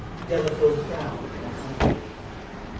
Delafield frowned uncomfortably.